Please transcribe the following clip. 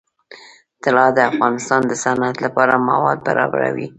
طلا د افغانستان د صنعت لپاره مواد برابروي.